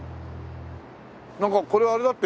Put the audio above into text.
なんかこれあれだって？